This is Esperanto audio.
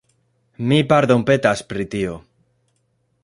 Mi pardonpetas pri tio.